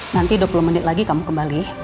nanti dua puluh menit lagi kamu kembali